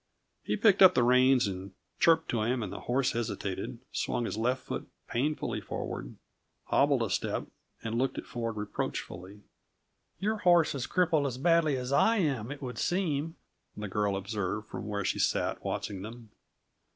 He picked up the reins and chirped to him, and the horse hesitated, swung his left foot painfully forward, hobbled a step, and looked at Ford reproachfully. "Your horse is crippled as badly as I am, it would seem," the girl observed, from where she sat watching them.